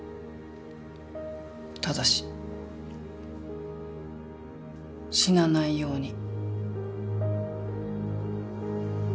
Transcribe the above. ただし死なないように。